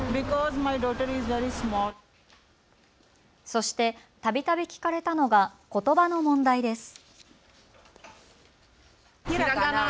そして、たびたび聞かれたのがことばの問題です。